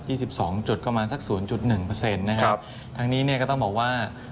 ยี่สิบสองจุดกว่ามาสักศูนย์จุดหนึ่งเปอร์เซ็นต์นะครับครับครั้งนี้เนี้ยก็ต้องบอกว่า